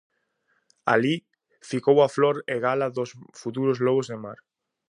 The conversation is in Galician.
Alí ficou a flor e gala dos futuros lobos de mar.